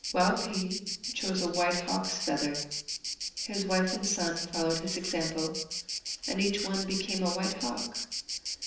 Waupee chose a white hawk's feather. His wife and son followed his example, and each one became a white hawk.